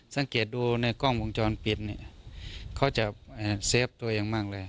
สังเกตดูในกล้องวงจรปิดเนี่ยเขาจะเซฟตัวเองมากเลย